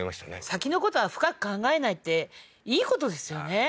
先のことは深く考えないっていいことですよね